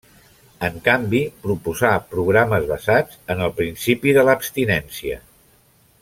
En canvi, proposà programes basats en el principi de l'abstinència.